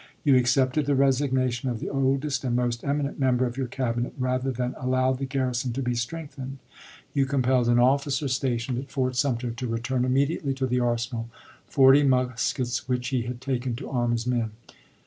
You accepted the resignation of the oldest and most emi nent member of your Cabinet rather than allow the garrison to be strengthened. You compelled an officer THE CABINET EEGIME 85 stationed at Fort Sumter to return immediately to the Arsenal forty muskets which he had taken to arm his men.